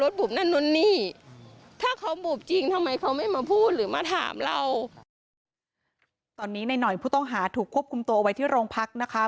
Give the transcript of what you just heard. ตอนนี้นายหน่อยผู้ต้องหาถูกควบคุมตัวไว้ที่โรงพักนะคะ